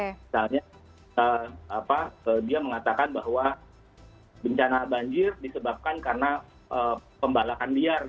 misalnya dia mengatakan bahwa bencana banjir disebabkan karena pembalakan liar